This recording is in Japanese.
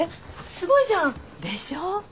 すごいじゃん！でしょう？